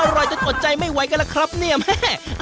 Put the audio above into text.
อร่อยจนอดใจไม่ไหวมั้ยครับนี่แม่